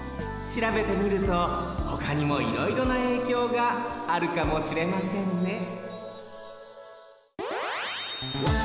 しらべてみるとほかにもいろいろなえいきょうがあるかもしれませんね